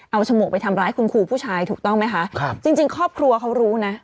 เอาฉมวกไปทำร้ายคุณครูผู้ชายถูกต้องไหมคะครับจริงจริงครอบครัวเขารู้นะ